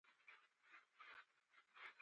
او شاید دا کار مې په سمه کړی